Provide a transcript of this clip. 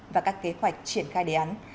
và các kế hoạch triển khai đề án